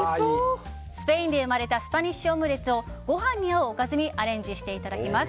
スペインで生まれたスパニッシュオムレツをご飯に合うおかずにアレンジしていただきます。